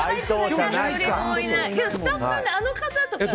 スタッフさんの方とか。